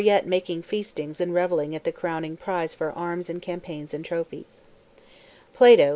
3 6 making feastings and revellings the crowning prize for arms and campaigns and. trophies. Plato!